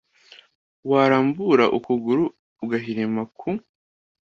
warambura ukuguru ugahirima ku